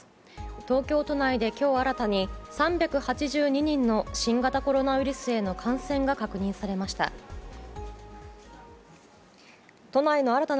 東京都内で今日新たに３８２人の新型コロナウイルスへの感染が確認されました。